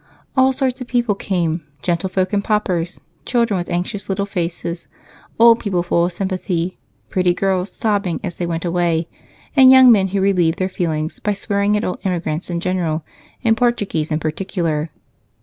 All sorts of people came: gentlefolk and paupers, children with anxious little faces, old people full of sympathy, pretty girls sobbing as they went away, and young men who relieved their feelings by swearing at all emigrants in general and Portuguese in particular.